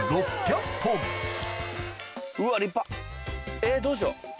えっどうしよう